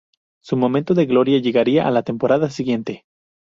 Su momento de gloria llegaría a la temporada siguiente.